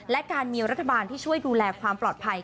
และการมีรัฐบาลที่ช่วยดูแลความปลอดภัย